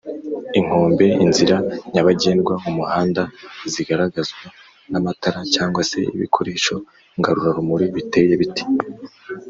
inkombe inzira nyabagendwa umuhanda zigaragazwa n’amatara cg se ibikoresho ngarurarumuri biteye bite